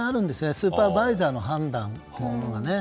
スーパーバイザーの判断がね。